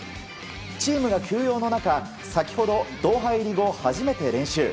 チームが休養の中先ほどドーハ入り後初めて練習。